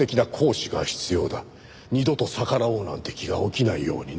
二度と逆らおうなんて気が起きないようにね。